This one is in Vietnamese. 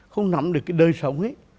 không nắm được cái đời sống ấy